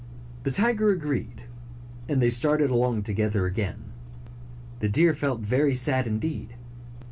The tiger agreed, and they started along to gether again. The deer felt very sad, indeed.